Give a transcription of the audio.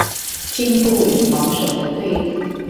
進步與保守的對立